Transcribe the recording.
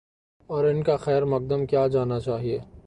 اور ان کا خیر مقدم کیا جانا چاہیے۔